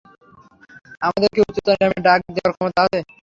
আমাদের কি উচ্চতর নিলামে ডাক দেওয়ার ক্ষমতা আছে?